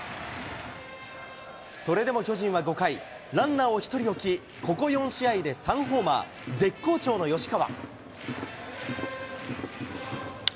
それでも巨人は５回、ランナーを１人置き、ここ４試合で３ホーマー、絶好調の吉川。